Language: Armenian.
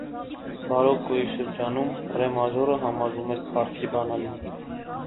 Բարոկկոյի շրջանում ռե մաժորը համարվում էր «փառքի բանալին»։